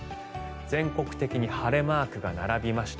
全国的に晴れマークが並びました。